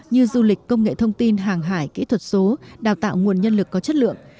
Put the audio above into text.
như du lịch công nghệ thông tin hàng hải kỹ thuật số đào tạo nguồn nhân lực có chất lượng